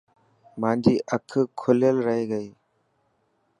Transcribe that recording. مانجي اک لکيل رهي گئي.